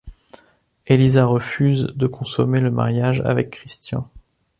Elisa refuse de consommer le mariage avec Christian.